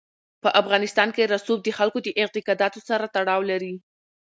په افغانستان کې رسوب د خلکو د اعتقاداتو سره تړاو لري.